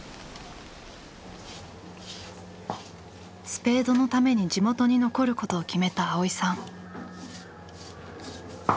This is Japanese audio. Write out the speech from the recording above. スペードのために地元に残ることを決めた蒼依さん。